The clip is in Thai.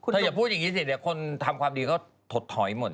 ถ้ายักพูดอย่างนี้เสร็จนะคนทำความดีก็ถดถอยหมด